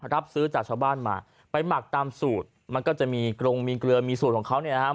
รับซื้อจากชาวบ้านมาไปหมักตามสูตรมันก็จะมีกรงมีเกลือมีสูตรของเขาเนี่ยนะครับ